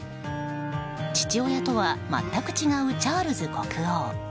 父親とは全く違うチャールズ国王。